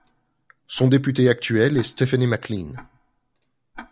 Son député actuel est Stephanie McLean.